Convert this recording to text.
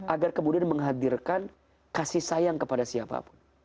agar kemudian menghadirkan kasih sayang kepada siapapun